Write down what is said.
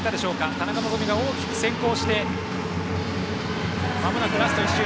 田中希実が大きく先行してまもなくラスト１周。